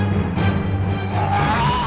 turg mau sakit